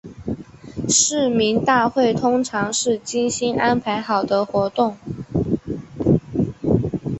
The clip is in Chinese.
市民大会通常是精心安排好的活动。